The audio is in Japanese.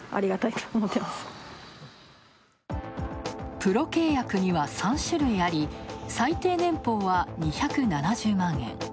プロ契約には３種類あり、最低年俸は２７０万円。